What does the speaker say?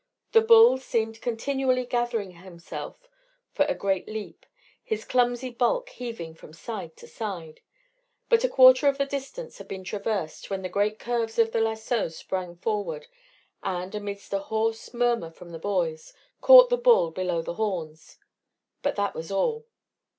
The bull seemed continually gathering himself for a great leap, his clumsy bulk heaving from side to side. But a quarter of the distance had been traversed when the great curves of the lasso sprang forward, and, amidst a hoarse murmur from the boys, caught the bull below the horns. But that was all.